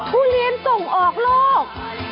ทุเรียนส่งออกโลก